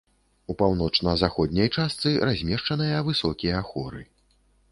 У паўночна-заходняй частцы размешчаныя высокія хоры.